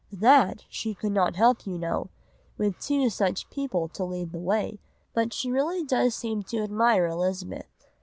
That she could not help you know, with two such people to lead the way, but she really does seem to admire Elizabeth.